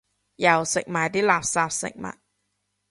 又食埋啲垃圾食物